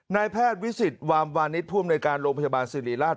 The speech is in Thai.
นายแพทย์วิสิตวามวานิทภูมิในการโรงพจบาลสิริราช